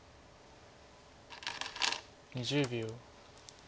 ２０秒。